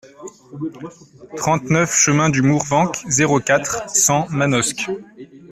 trente-neuf chemin du Mourvenc, zéro quatre, cent Manosque